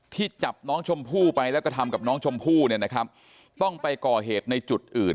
ที่จับน้องชมพู่ไปแล้วก็ทำกับน้องชมพู่เนี่ยนะครับต้องไปก่อเหตุในจุดอื่น